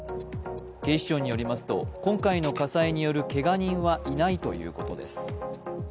警視庁によりますと、今回の火災によるけが人はいないということです。